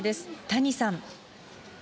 谷さん。